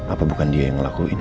apa bukan dia yang ngelakuin